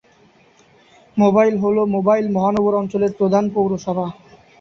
Mobile হল Mobile মহানগর অঞ্চলের প্রধান পৌরসভা।